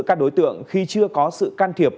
các đối tượng khi chưa có sự can thiệp